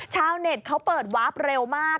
ชาวเน็ตเขาเปิดวาร์ฟเร็วมาก